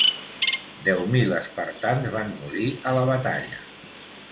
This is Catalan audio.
Deu mil espartans van morir a la batalla.